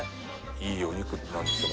いいお肉なんですよ